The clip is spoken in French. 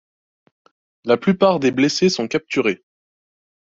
La plupart des blessés sont capturés.